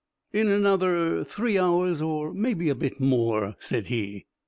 "In another three hours or maybe a bit more," said he.